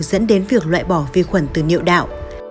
dẫn đến việc loại bỏ vi khuẩn từ nhựa đạo